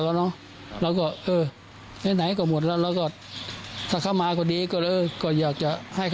พอแล้วไขดเลยใช่ไหมครับใช่